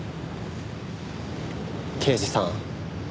刑事さん